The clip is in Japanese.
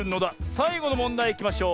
さいごのもんだいいきましょう。